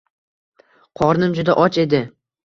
Qornim juda och edi